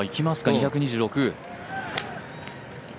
２２６。